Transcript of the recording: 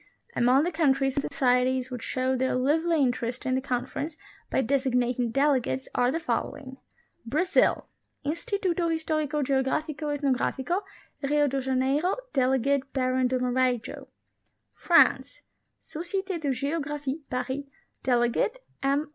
Among the countries and societies which showed their lively interest in the Conference by designating delegates are the fol lowing : BRAZIL. Instituto Historico Geografico y Ethnografico (Rio de Ja neiro) ; delegate, Baron de Marajo. FRANCE. Societe de Geographic (Paris) ; delegate, M E.